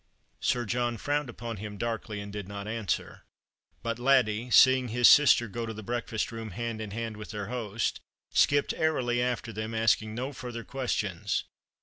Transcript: Sir John frowned upon him darkly and did not answer ; but Laddie, seeing his sister go to the breakfast room hand in hand with their host, skipped airily after them, asking no further questions.